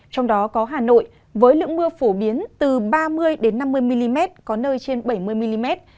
trong đó có hà nội với lượng mưa phổ biến từ ba mươi năm mươi mm có nơi trên bảy mươi mm